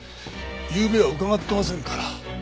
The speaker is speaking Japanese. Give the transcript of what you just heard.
ゆうべは伺ってませんから。